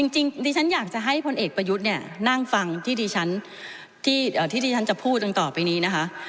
จริงดิฉันอยากจะให้พลเอกประยุทธ์เนี่ยนั่งฟังที่ดิฉันจะพูดดังต่อไปนี้นะคะ